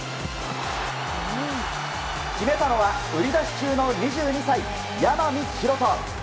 決めたのは売り出し中の２２歳山見大登。